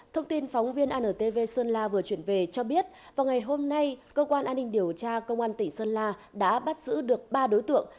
thông tin phóng viên antv sơn la vừa chuyển về cho biết vào ngày hôm nay cơ quan an ninh điều tra công an tỉnh sơn la đã bắt giữ được ba đối tượng